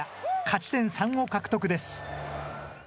勝ち点３を獲得です。